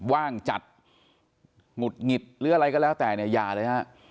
ว่างจัดหงุดหงิดหรืออะไรก็แล้วแต่เนี่ยอย่าเลยฮะ